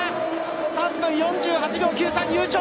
３分４８秒９３、優勝！